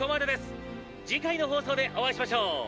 次回の放送でお会いしましょう。